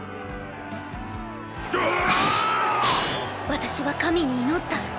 私は神に祈った。